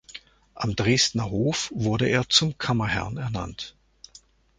Am Dresdner Hof wurde er zum Kammerherrn ernannt.